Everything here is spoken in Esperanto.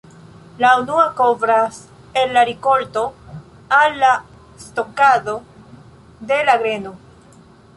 La unua kovras el la rikolto al la stokado de la greno.